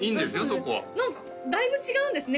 そこはだいぶ違うんですね